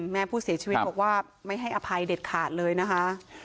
แม่ผู้เสียชีวิตบอกว่าไม่ให้อภัยเด็ดขาดเลยนะคะ